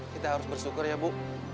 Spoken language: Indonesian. kita harus bersyukur ya bu